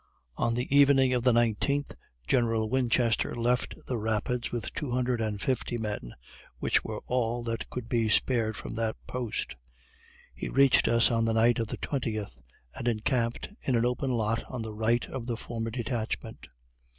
On the evening of the nineteenth, General Winchester left the Rapids with two hundred and fifty men, which were all that could be spared from that post. He reached us on the night of the twentieth, and encamped in an open lot on the right of the former detachment.